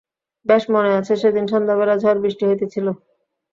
বেশ মনে আছে সেদিন সন্ধ্যাবেলা ঝড়বৃষ্টি হইতেছিল।